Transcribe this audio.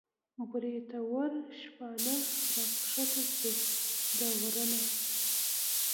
بریتور شپانه راکښته شو د غر نه